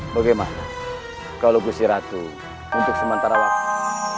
bagaimana kalau gusiratu untuk sementara waktu